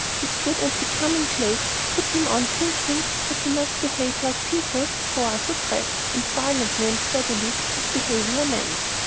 His good and becoming clothes put him on thinking that he must behave like people who are so dressed; and silently and steadily his behavior mends."